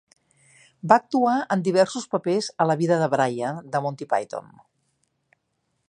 Va actuar en diversos papers a "La vida de Brian" de Monty Python.